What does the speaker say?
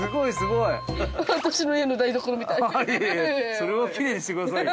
それは奇麗にしてくださいよ。